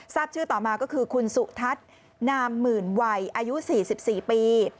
ทราบชื่อต่อมาก็คือคุณสุทัศน์นามหมื่นวัยอายุ๔๔ปี